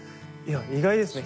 意外ですね。